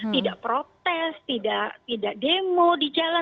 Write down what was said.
tidak protes tidak demo di jalan